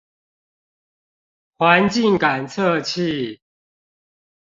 環境感測器